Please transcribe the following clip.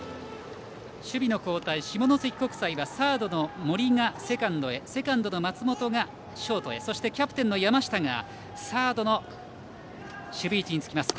守備の交代、下関国際はサードの森がセカンドへセカンドの松本がショートへキャプテンの山下がサードの守備位置につきます。